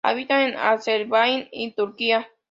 Habita en Azerbaiyán y Turquía.